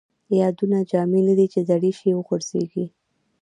یادونه جامې نه دي ،چې زړې شي وغورځيږي